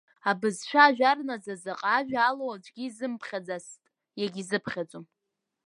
Абызшәа ажәар наӡа заҟа ажәа алоу аӡәгьы изымԥхьаӡацт, иагьизыԥхьаӡом.